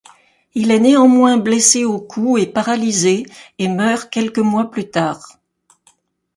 Il est néanmoins blessé au cou et paralysé, et meurt quelques mois plus tard.